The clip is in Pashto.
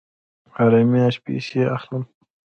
هره میاشت پیسې اخلم